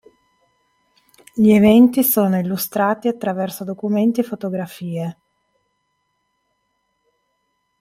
Gli eventi sono illustrati attraverso documenti e fotografie.